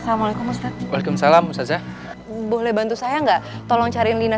assalamualaikum ustadz waalaikumsalam boleh bantu saya enggak tolong cariin lina